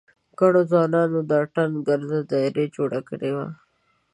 ګڼو ځوانانو د اتڼ ګرده داېره جوړه کړې وه.